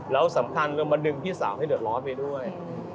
แล้วสำคัญเรามาดึงพี่สาวให้เดือดร้อนไปด้วย